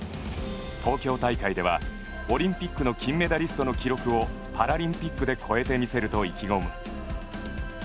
東京大会ではオリンピックの金メダリストの記録をパラリンピックで超えてみせると意気込む。